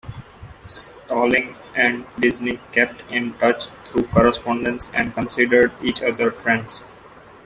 Stalling and Disney kept in touch through correspondence, and considered each other friends.